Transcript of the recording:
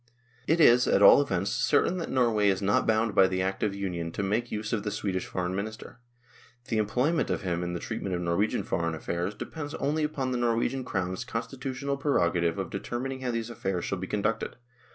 It is, at all events, certain that Norway is not bound by the Act of Union to make use of the Swedish Foreign Minister. The employment of him in the treatment of Norwegian foreign affairs depends only upon the Norwegian Crown's constitutional preroga tive of determining how these affairs shall be con ducted.